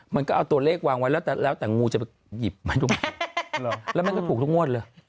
มันก็เอาตัวเลขวางไว้แล้วแต่งูจะไปหยิบมาถูกไหมแล้วมันก็ถูกทุกงวดเลย